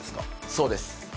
そうです。